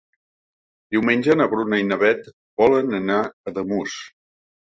Diumenge na Bruna i na Beth volen anar a Ademús.